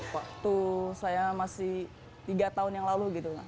waktu saya masih tiga tahun yang lalu gitu